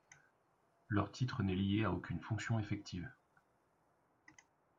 Leur titre n'est lié à aucune fonction effective.